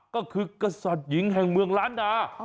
ก็คือกษัตริย์หญิงแห่งเมืองล้านนา